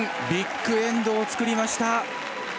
ビッグエンドを作りました。